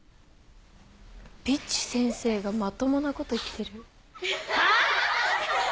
ビッチ先生がまともなこと言ってるはあ？